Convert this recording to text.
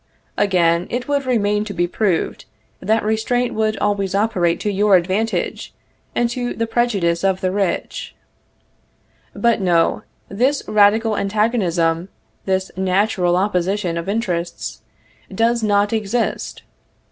Again, it would remain to be proved, that restraint would always operate to your advantage, and to the prejudice of the rich. But, no; this radical antagonism, this natural opposition of interests, does not exist.